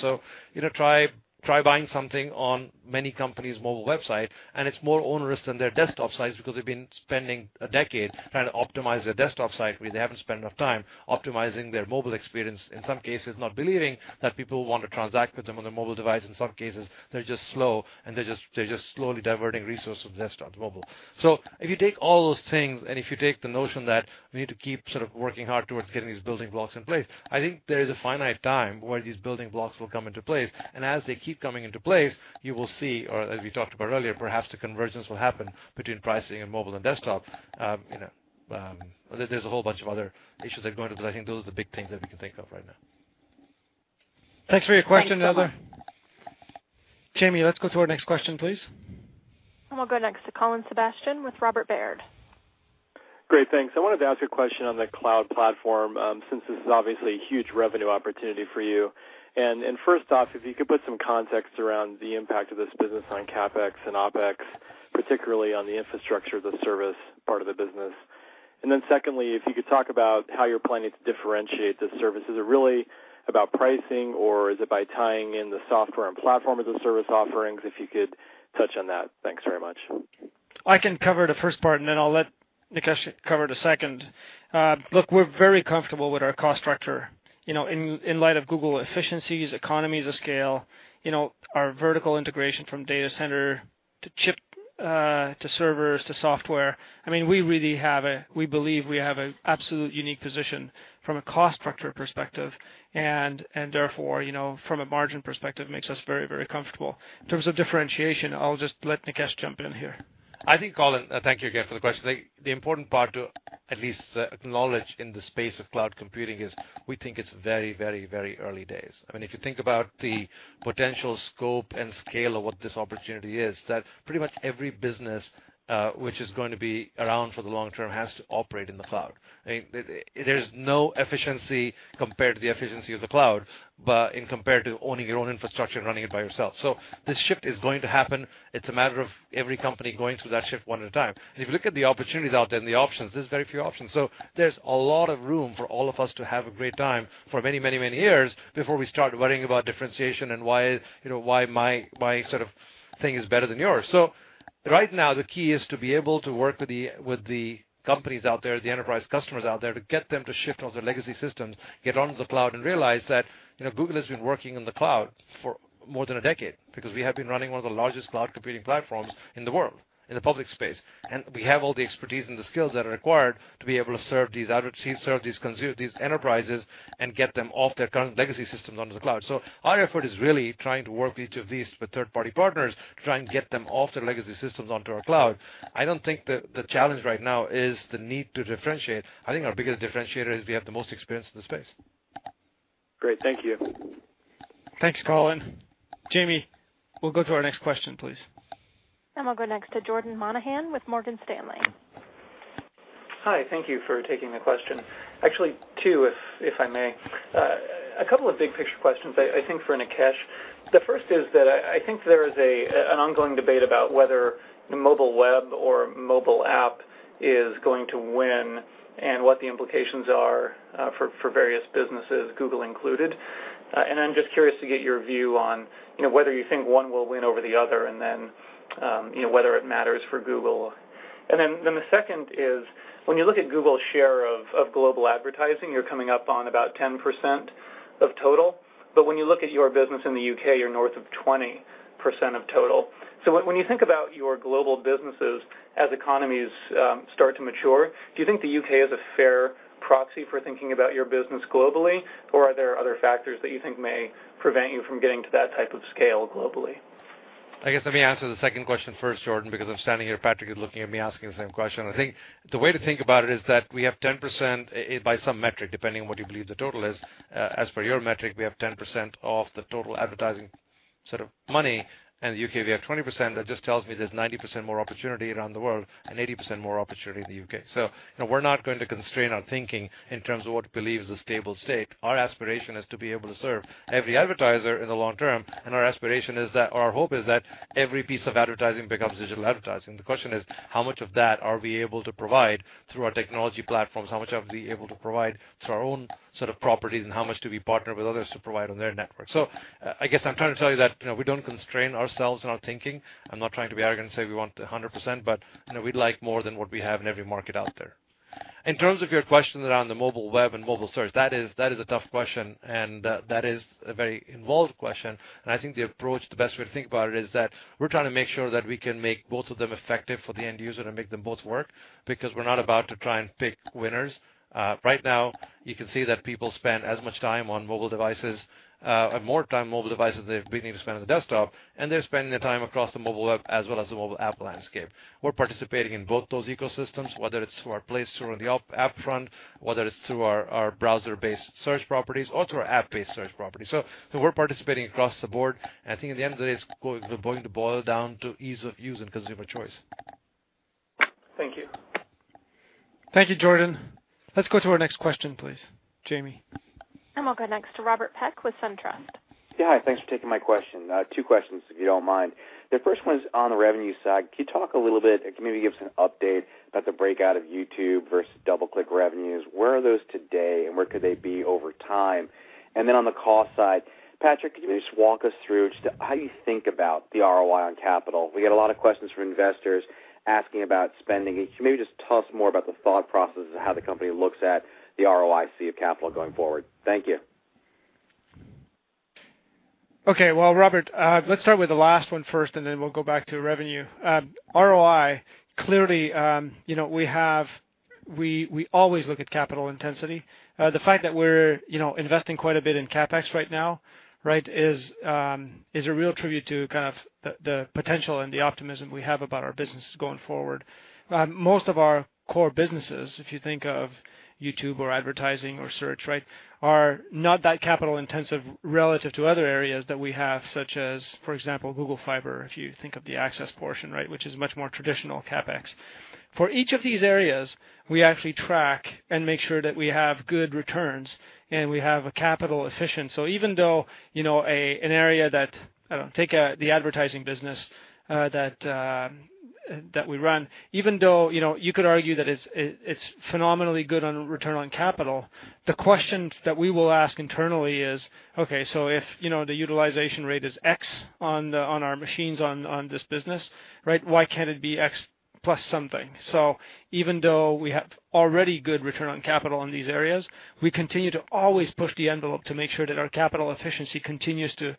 Try buying something on many companies' mobile websites, and it's more onerous than their desktop sites because they've been spending a decade trying to optimize their desktop site, where they haven't spent enough time optimizing their mobile experience. In some cases, not believing that people want to transact with them on their mobile device. In some cases, they're just slow, and they're just slowly diverting resources from desktop to mobile. So if you take all those things and if you take the notion that we need to keep sort of working hard towards getting these building blocks in place, I think there is a finite time where these building blocks will come into place. And as they keep coming into place, you will see, or as we talked about earlier, perhaps the convergence will happen between pricing and mobile and desktop. There's a whole bunch of other issues that go into this. I think those are the big things that we can think of right now. Thanks for your question, Heather. Jamie, let's go to our next question, please. We'll go next to Colin Sebastian with Robert Baird. Great. Thanks. I wanted to ask a question on the cloud platform since this is obviously a huge revenue opportunity for you. And first off, if you could put some context around the impact of this business on CapEx and OpEx, particularly on the infrastructure as a service part of the business. And then secondly, if you could talk about how you're planning to differentiate the services. Is it really about pricing, or is it by tying in the software and platform as a service offerings? If you could touch on that, thanks very much. I can cover the first part, and then I'll let Nikesh cover the second. Look, we're very comfortable with our cost structure. In light of Google efficiencies, economies of scale, our vertical integration from data center to chip to servers to software, I mean, we really have—we believe we have an absolute unique position from a cost structure perspective. And therefore, from a margin perspective, it makes us very, very comfortable. In terms of differentiation, I'll just let Nikesh jump in here. I think, Colin, thank you again for the question. The important part to at least acknowledge in the space of cloud computing is we think it's very, very, very early days. I mean, if you think about the potential scope and scale of what this opportunity is, that pretty much every business which is going to be around for the long term has to operate in the cloud. There's no efficiency compared to the efficiency of the cloud, but compared to owning your own infrastructure and running it by yourself. So this shift is going to happen. It's a matter of every company going through that shift one at a time. And if you look at the opportunities out there and the options, there's very few options. So there's a lot of room for all of us to have a great time for many, many, many years before we start worrying about differentiation and why my sort of thing is better than yours. So right now, the key is to be able to work with the companies out there, the enterprise customers out there, to get them to shift off their legacy systems, get onto the cloud, and realize that Google has been working in the cloud for more than a decade because we have been running one of the largest cloud computing platforms in the world, in the public space. And we have all the expertise and the skills that are required to be able to serve these enterprises and get them off their current legacy systems onto the cloud. So our effort is really trying to work with each of these third-party partners to try and get them off their legacy systems onto our cloud. I don't think the challenge right now is the need to differentiate. I think our biggest differentiator is we have the most experience in the space. Great. Thank you. Thanks, Colin. Jamie, we'll go to our next question, please. We'll go next to Jordan Monahan with Morgan Stanley. Hi. Thank you for taking the question. Actually, two, if I may. A couple of big-picture questions, I think, for Nikesh. The first is that I think there is an ongoing debate about whether the mobile web or mobile app is going to win and what the implications are for various businesses, Google included. And I'm just curious to get your view on whether you think one will win over the other and then whether it matters for Google. And then the second is, when you look at Google's share of global advertising, you're coming up on about 10% of total. But when you look at your business in the U.K., you're north of 20% of total. When you think about your global businesses as economies start to mature, do you think the U.K. is a fair proxy for thinking about your business globally, or are there other factors that you think may prevent you from getting to that type of scale globally? I guess let me answer the second question first, Jordan, because I'm standing here. Patrick is looking at me asking the same question. I think the way to think about it is that we have 10% by some metric, depending on what you believe the total is. As per your metric, we have 10% of the total advertising sort of money. And in the U.K., we have 20%. That just tells me there's 90% more opportunity around the world and 80% more opportunity in the U.K. So we're not going to constrain our thinking in terms of what we believe is a stable state. Our aspiration is to be able to serve every advertiser in the long term. And our aspiration is that, or our hope is that every piece of advertising becomes digital advertising. The question is, how much of that are we able to provide through our technology platforms? How much are we able to provide through our own sort of properties, and how much do we partner with others to provide on their network? So I guess I'm trying to tell you that we don't constrain ourselves in our thinking. I'm not trying to be arrogant and say we want 100%, but we'd like more than what we have in every market out there. In terms of your question around the mobile web and mobile search, that is a tough question, and that is a very involved question. And I think the approach, the best way to think about it, is that we're trying to make sure that we can make both of them effective for the end user and make them both work because we're not about to try and pick winners. Right now, you can see that people spend as much time on mobile devices, more time on mobile devices than they've been able to spend on the desktop, and they're spending their time across the mobile web as well as the mobile app landscape. We're participating in both those ecosystems, whether it's through our Play Store on the app front, whether it's through our browser-based search properties, or through our app-based search properties. So we're participating across the board. And I think at the end of the day, it's going to boil down to ease of use and consumer choice. Thank you. Thank you, Jordan. Let's go to our next question, please. Jamie. We'll go next to Robert Peck with SunTrust. Yeah. Hi. Thanks for taking my question. Two questions, if you don't mind. The first one is on the revenue side. Can you talk a little bit and maybe give us an update about the breakout of YouTube versus DoubleClick revenues? Where are those today, and where could they be over time? And then on the cost side, Patrick, could you just walk us through just how you think about the ROI on capital? We get a lot of questions from investors asking about spending. Can you maybe just tell us more about the thought process of how the company looks at the ROIC of capital going forward? Thank you. Okay. Well, Robert, let's start with the last one first, and then we'll go back to revenue. ROI, clearly, we always look at capital intensity. The fact that we're investing quite a bit in CapEx right now, right, is a real tribute to kind of the potential and the optimism we have about our business going forward. Most of our core businesses, if you think of YouTube or advertising or search, right, are not that capital-intensive relative to other areas that we have, such as, for example, Google Fiber, if you think of the access portion, right, which is much more traditional CapEx. For each of these areas, we actually track and make sure that we have good returns and we have a capital efficient. So even though an area that, I don't know, take the advertising business that we run, even though you could argue that it's phenomenally good on return on capital, the question that we will ask internally is, "Okay. So if the utilization rate is X on our machines on this business, right, why can't it be X plus something?" So even though we have already good return on capital in these areas, we continue to always push the envelope to make sure that our capital efficiency continues to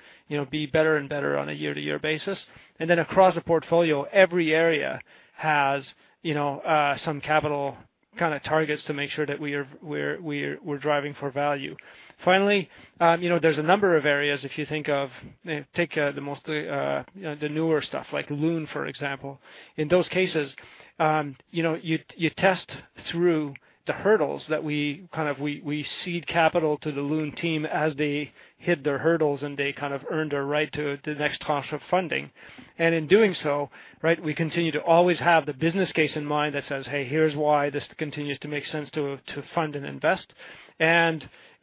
be better and better on a year-to-year basis. And then across the portfolio, every area has some capital kind of targets to make sure that we're driving for value. Finally, there's a number of areas, if you think of, take the newer stuff, like Loon, for example. In those cases, you test through the hurdles that we kind of seed capital to the Loon team as they hit their hurdles, and they kind of earn their right to the next tranche of funding. And in doing so, right, we continue to always have the business case in mind that says, "Hey, here's why this continues to make sense to fund and invest."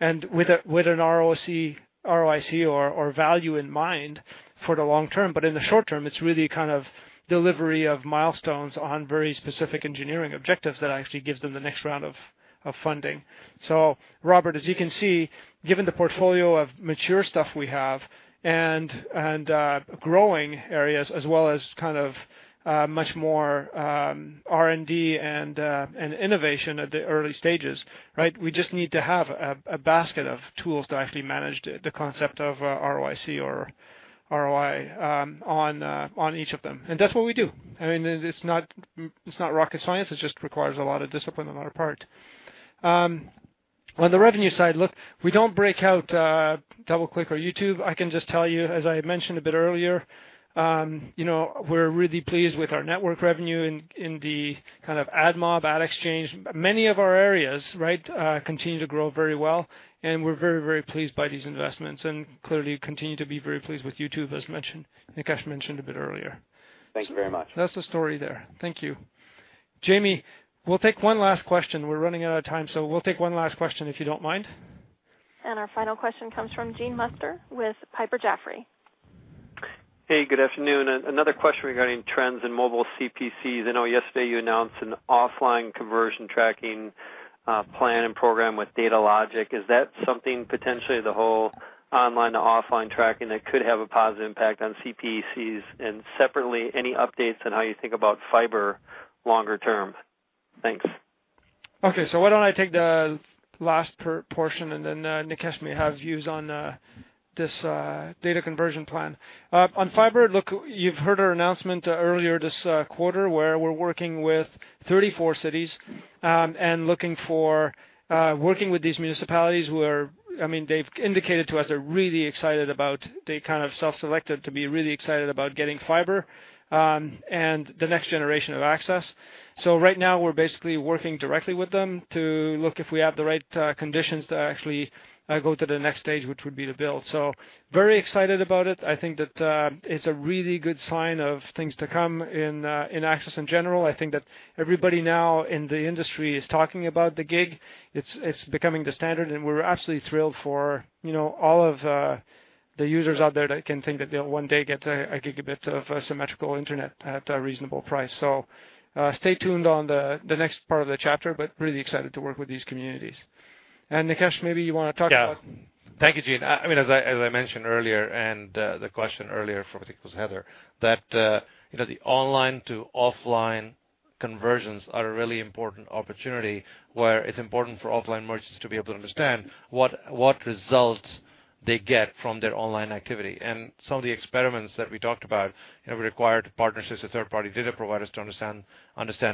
And with an ROIC or value in mind for the long term, but in the short term, it's really kind of delivery of milestones on very specific engineering objectives that actually gives them the next round of funding. Robert, as you can see, given the portfolio of mature stuff we have and growing areas, as well as kind of much more R&D and innovation at the early stages, right, we just need to have a basket of tools to actually manage the concept of ROIC or ROI on each of them. And that's what we do. I mean, it's not rocket science. It just requires a lot of discipline on our part. On the revenue side, look, we don't break out DoubleClick or YouTube. I can just tell you, as I mentioned a bit earlier, we're really pleased with our network revenue in the kind of AdMob, Ad Exchange. Many of our areas, right, continue to grow very well, and we're very, very pleased by these investments and clearly continue to be very pleased with YouTube, as Nikesh mentioned a bit earlier. Thank you very much. That's the story there. Thank you. Jamie, we'll take one last question. We're running out of time, so we'll take one last question, if you don't mind. Our final question comes from Gene Munster with Piper Jaffray. Hey. Good afternoon. Another question regarding trends in mobile CPCs. I know yesterday you announced an offline conversion tracking plan and program with Datalogix. Is that something potentially the whole online-to-offline tracking that could have a positive impact on CPCs? And separately, any updates on how you think about fiber longer term? Thanks. Okay, so why don't I take the last portion, and then Nikesh may have views on this data conversion plan. On fiber, look, you've heard our announcement earlier this quarter where we're working with 34 cities and looking for working with these municipalities where, I mean, they've indicated to us they're really excited about, they kind of self-selected to be really excited about getting fiber and the next generation of access, so right now, we're basically working directly with them to look if we have the right conditions to actually go to the next stage, which would be to build, so very excited about it. I think that it's a really good sign of things to come in access in general. I think that everybody now in the industry is talking about the gig. It's becoming the standard, and we're absolutely thrilled for all of the users out there that can think that they'll one day get a gigabit of symmetrical internet at a reasonable price. So stay tuned on the next part of the chapter, but really excited to work with these communities. And Nikesh, maybe you want to talk about. Yeah. Thank you, Gene. I mean, as I mentioned earlier and the question earlier from I think it was Heather, that the online-to-offline conversions are a really important opportunity where it's important for offline merchants to be able to understand what results they get from their online activity. And some of the experiments that we talked about require partnerships with third-party data providers to understand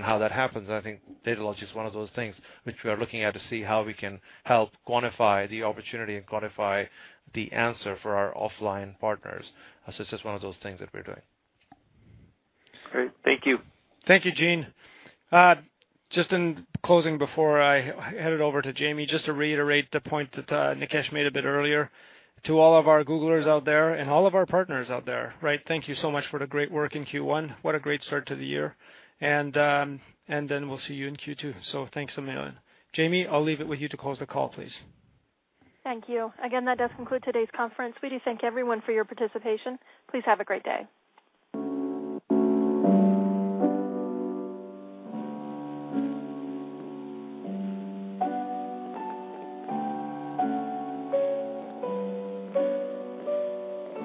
how that happens. And I think Datalogix is one of those things which we are looking at to see how we can help quantify the opportunity and quantify the answer for our offline partners. So it's just one of those things that we're doing. Great. Thank you. Thank you, Gene. Just in closing before I headed over to Jamie, just to reiterate the point that Nikesh made a bit earlier, to all of our Googlers out there and all of our partners out there, right, thank you so much for the great work in Q1. What a great start to the year, and then we'll see you in Q2, so thanks a million. Jamie, I'll leave it with you to close the call, please. Thank you. Again, that does conclude today's conference. We do thank everyone for your participation. Please have a great day.